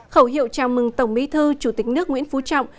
khẩu hiệu chào mừng tổng bí thư chủ tịch nước nguyễn phú trọng